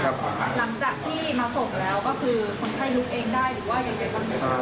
คนไข้ลุกเองได้หรือว่าอย่างไรบ้าง